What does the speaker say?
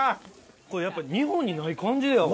これやっぱ日本にない感じやわ。